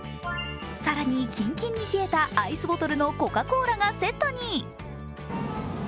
更にキンキンに冷えたアイスボトルのコカ・コーラがセットに。